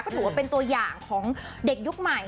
ก็ถือว่าเป็นตัวอย่างของเด็กยุคใหม่